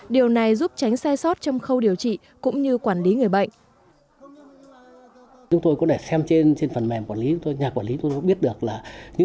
điều này giúp tránh sai sót trong khâu điều trị cũng như quản lý người bệnh